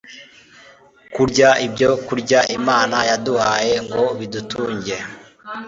kurya ibyokurya Imana yaduhaye ngo bidutunge!